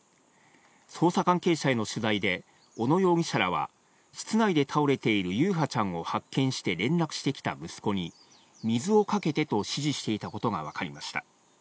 捜査関係者への取材で、小野容疑者らは、室内で倒れている優陽ちゃんを発見して連絡してきた息子に、水をかけてと指示していたことが分かりました。